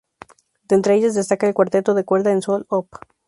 De entre ellas destaca el "Cuarteto de cuerda en Sol", Op.